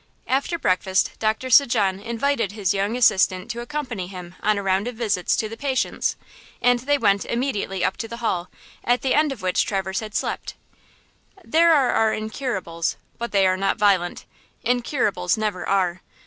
After breakfast Doctor St. Jean invited his young assistant to accompany him on a round of visits to the patients, and they went immediately up to the hall, at the end of which Traverse had slept. "There are our incurables, but they are not violent; incurables never are!